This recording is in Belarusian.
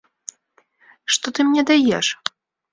Што ты мне даеш?!